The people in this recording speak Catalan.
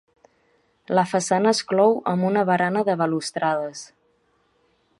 La façana es clou amb una barana de balustrades.